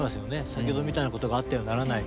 先ほどみたいなことがあってはならない。